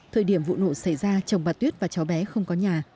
thời điểm vụ nổ xảy ra chồng bà tuyết và cháu bé không có nhà